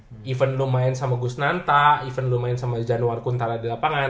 bahkan lo main sama gus nanta bahkan lo main sama januar kuntara di lapangan